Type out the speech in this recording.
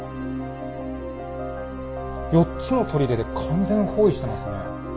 ４つの砦で完全包囲してますね。